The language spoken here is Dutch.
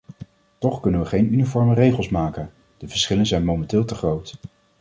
Toch kunnen we geen uniforme regels maken, de verschillen zijn momenteel te groot.